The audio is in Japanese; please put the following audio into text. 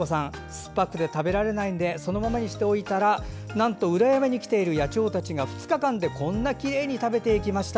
すっぱくて食べられないのでそのままにしておいたらなんと裏山に来てる野鳥たちが２日間でこんなにきれいに食べていきました。